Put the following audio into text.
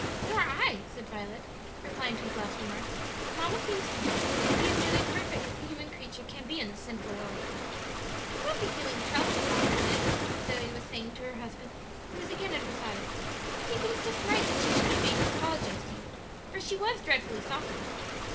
"Nor I," said Violet, replying to his last remark; "mamma seems to me to be as nearly perfect as a human creature can be in this sinful world." "Now don't feel troubled about it, Ned," Zoe was saying to her husband, who was again at her side. "I think it was just right that she should be made to apologize to you, for she was dreadfully saucy."